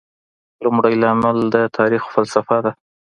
لومړی لامل د تاریخ فلسفه ده.